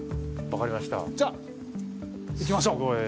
じゃ行きましょう。